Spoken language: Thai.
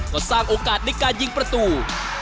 ก็สร้างโอกาสในการยิงประตู